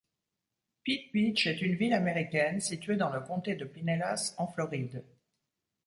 Pete Beach est une ville américaine située dans le comté de Pinellas, en Floride.